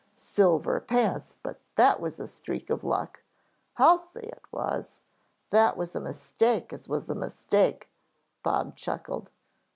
Silver pants, but that was a streak of luck " "I'll say it was. That was a mistake as was a mistake," Bob chuckled.